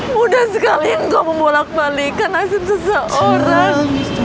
mudah sekali ga membalik balikan nasib seseorang